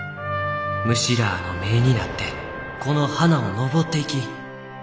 虫らあの目になってこの花を登っていき。